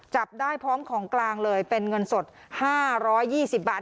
จับได้พร้อมของกลางเลยเป็นเงินสดห้าร้อยยี่สิบบาท